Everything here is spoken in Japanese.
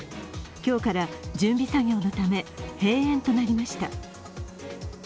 今日から準備作業のため閉園となりました。